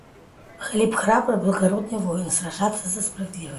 Халид, храбрый и благородный воин, сражается за справедливость.